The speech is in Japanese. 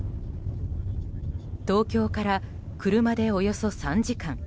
東京から車でおよそ３時間。